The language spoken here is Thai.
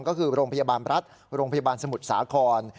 ก็คือโรงพยาบาลประรัฐโรงพยาบาลสมุดสาขอน